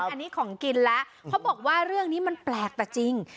อันนี้ของกินแล้วเขาบอกว่าเรื่องนี้มันแปลกแต่จริง